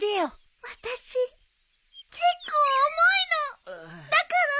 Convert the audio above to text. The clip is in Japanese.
私結構重いの！だから。